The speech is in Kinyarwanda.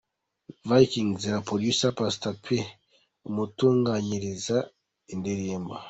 Vickings na Producer Pastor P umutunganyiriza indirimbo.